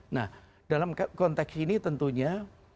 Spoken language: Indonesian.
nah dalam konteks ini tentunya